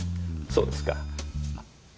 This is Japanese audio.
そうですか。